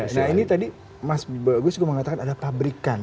nah ini tadi mas bagus juga mengatakan ada pabrikan